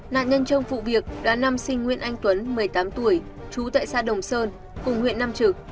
nạn nhân trong vụ việc đã nam sinh nguyên anh tuấn một mươi tám tuổi chú tại xã đồng sơn cùng huyện nam trực